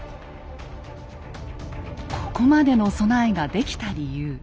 ここまでの備えができた理由。